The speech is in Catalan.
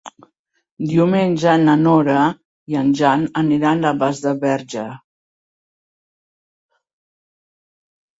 Diumenge na Nora i en Jan aniran a Masdenverge.